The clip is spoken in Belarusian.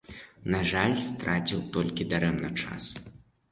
На жаль, страціў толькі дарэмна час.